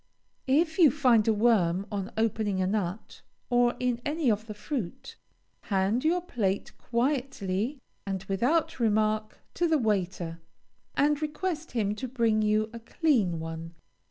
If you find a worm on opening a nut, or in any of the fruit, hand your plate quietly, and without remark, to the waiter, and request him to bring you a clean one.